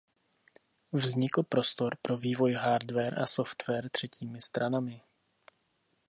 Vznikl prostor pro vývoj hardware a software třetími stranami.